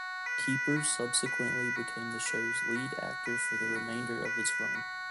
Keeper subsequently became the show's lead actor for the remainder of its run.